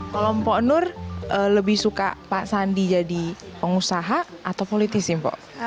kelompok nur lebih suka pak sandi jadi pengusaha atau politisi mpok